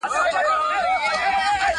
نه يې ورك سول په سرونو كي زخمونه،